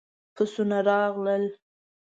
بسونه راغلل.